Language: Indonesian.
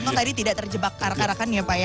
untung tadi tidak terjebak karakan karakan ya pak ya